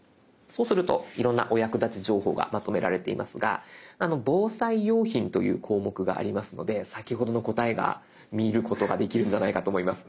そうするといろんなお役立ち情報がまとめられていますが防災用品という項目がありますので先ほどの答えが見ることができるんじゃないかと思います。